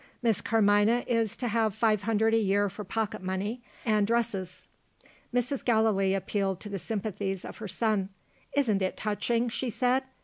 Miss Carmina is to have five hundred a year for pocket money and dresses." Mrs. Gallilee appealed to the sympathies of her son. "Isn't it touching?" she said.